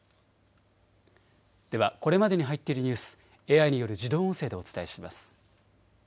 では、これまでに入っているニュース、ＡＩによる自動音声でお伝えします。